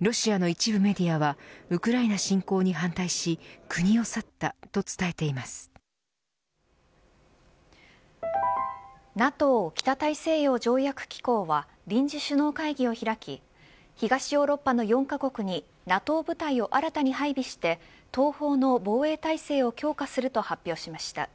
ロシアの一部メディアはウクライナ侵攻に反対し国を去ったとＮＡＴＯ北大西洋条約機構は臨時首脳会議を開き東ヨーロッパの４カ国にＮＡＴＯ部隊を新たに配備して東方の防衛体制を強化すると発表しました。